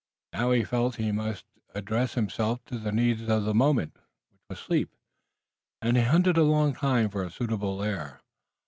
Now he felt that he must address himself to the need of the moment, which was sleep, and he hunted a long time for a suitable lair.